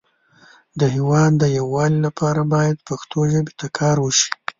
د هیواد د یو والی لپاره باید پښتو ژبې ته کار وشی